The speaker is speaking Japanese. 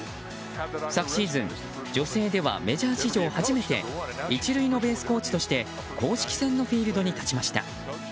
昨シーズン、女性ではメジャー史上初めて一塁のベースコーチとして公式戦のフィールドに立ちました。